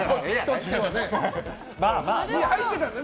入ってたんだ。